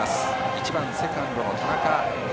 １番セカンドの田中。